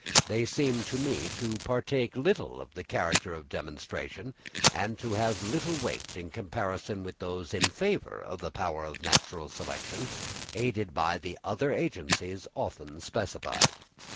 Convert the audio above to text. They seem to me to partake little of the character of demonstration, and to have little weight in comparison with those in favour of the power of natural selection, aided by the other agencies often specified.